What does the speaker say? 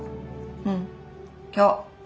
うん今日。